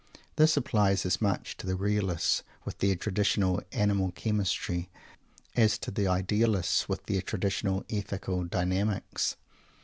This applies as much to the Realists, with their traditional animal chemistry, as to the Idealists, with their traditional ethical dynamics.